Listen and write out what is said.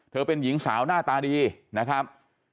เป็นหญิงสาวหน้าตาดีนะครับ